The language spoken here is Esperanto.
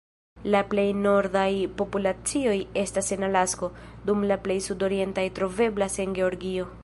La plej nordaj populacioj estas en Alasko, dum la plej sud-orientaj troveblas en Georgio.